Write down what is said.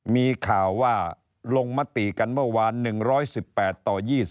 มีข่าวว่าลงมติกันเมื่อวาน๑๑๘ต่อ๒๐